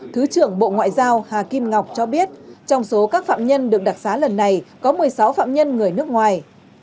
thứ trưởng bộ ngoại giao hà kim ngọc cho biết trong số các phạm nhân được đặc xá lần này có một mươi sáu phạm nhân người nước ngoài